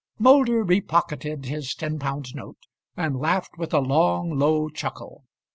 Moulder repocketed his ten pound note, and laughed with a long, low chuckle.